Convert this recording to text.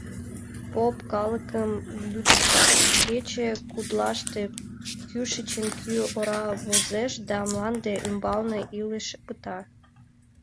Поп калыкым лӱдыкта: «Кугече гутлаште кӱшычын кӱ ора возеш да, мланде ӱмбалне илыш пыта.